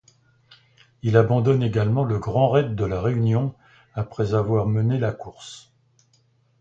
Il abandonne également le Grand Raid de la Réunion après avoir mené la course.